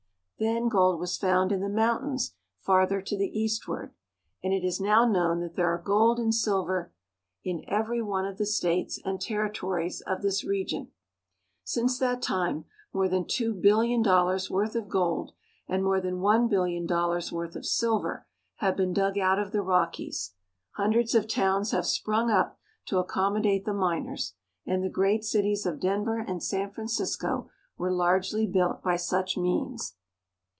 Then gold was found in the mountains farther to the eastward ; and it is now known that there are gold and sil ver in every one of the states and territories of this region. Since that time more than two billion dollars' worth of gold, and more than one billion dollars' worth of silver, have been dug out of the Rockies. Hundreds of towns have sprung up to accommodate the miners, and the great cities of Denver and San Francisco were largely built by such means.